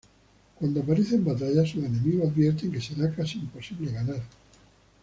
Cuando aparece en batalla, sus enemigos advierten que será casi imposible ganar.